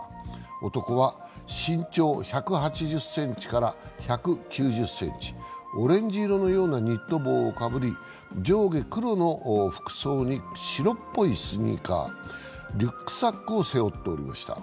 男は身長１８０ｃｍから１９０ｃｍ、オレンジ色のようなニット帽をかぶり上下黒の服装に白っぽいスニーカー、リュックサックを背負っておりました。